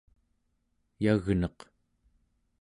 yagneq